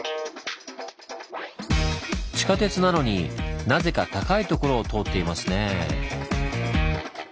地下鉄なのになぜか高いところを通っていますねぇ。